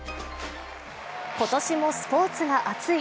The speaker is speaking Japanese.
今年もスポーツが熱い！